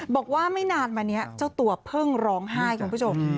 บอกว่าไม่นานมานี้เจ้าตัวเพิ่งร้องไห้คุณผู้ชม